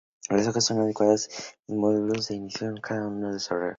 Las hojas son caducas, y se mudan al inicio de cada nuevo desarrollo.